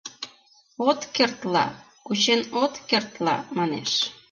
«От керт-ла, кучен от кертла», — манеш.